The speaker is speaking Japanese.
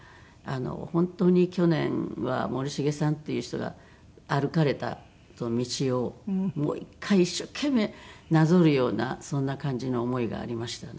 本当に去年は森繁さんっていう人が歩かれた道をもう一回一生懸命なぞるようなそんな感じの思いがありましたね。